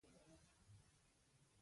مرګ د دنیا پوله ده.